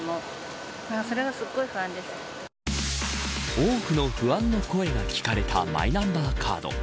多くの不安の声が聞かれたマイナンバーカード。